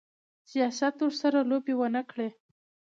سیاست ورسره لوبې ونه کړي.